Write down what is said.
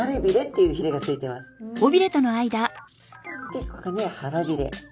でここには腹びれ。